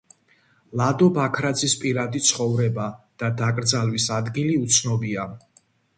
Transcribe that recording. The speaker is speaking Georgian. ლადო ბაქრაძის პირადი ცხოვრება და დაკრძალვის ადგილი უცნობია.